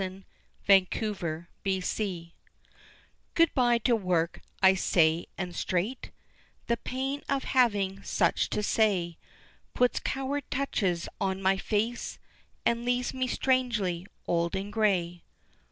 ] Good Bye To Work Good bye to work, I say, and straight The pain of having such to say Puts coward touches on my face, And leaves me strangely old and gray.